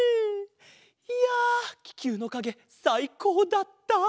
いやききゅうのかげさいこうだった！